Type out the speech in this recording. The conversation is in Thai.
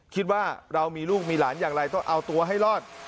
คิดว่าเรามีลูกมีหลานอย่างไรต้องเอาตัวให้รอด